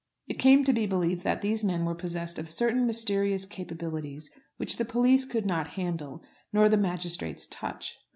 It came to be believed that these men were possessed of certain mysterious capabilities which the police could not handle, nor the magistrates touch.